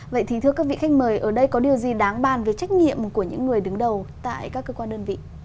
vậy thì thưa các vị khách mời ở đây có điều gì đáng bàn về trách nhiệm của những người đứng đầu tại các cơ quan đơn vị